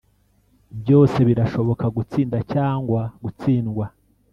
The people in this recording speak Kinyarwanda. byose birashoboka gutsinda cyangwa gutsindwa